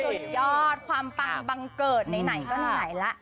สุดยอดความปังบังเกิดไหนก็ไหนล่ะ